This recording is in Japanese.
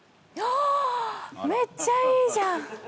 めっちゃいいじゃん。